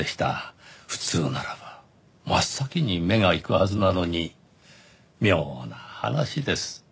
普通ならば真っ先に目がいくはずなのに妙な話です。